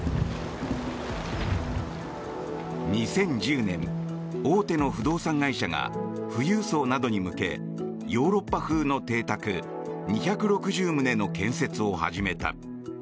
２０１０年、大手の不動産会社が富裕層などに向けヨーロッパ風の邸宅２６０棟の建設を始めた。